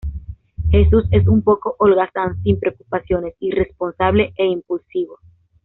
Jesús es un poco holgazán, sin preocupaciones, irresponsable, e impulsivo.